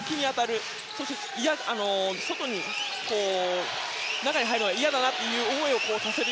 そして、中に入るのが嫌だなという思いをさせる